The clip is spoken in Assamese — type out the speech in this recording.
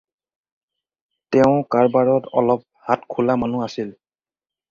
তেওঁ কাৰবাৰত অলপ হাত খোলা মানুহ আছিল।